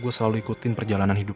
gue selalu ikutin perjalanan hidup